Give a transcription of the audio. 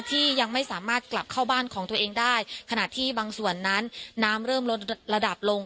ที่ยังไม่สามารถกลับเข้าบ้านของตัวเองได้ขณะที่บางส่วนนั้นน้ำเริ่มลดระดับลง